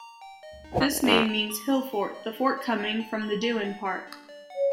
This name means Hill-fort, the fort coming from the Duin part.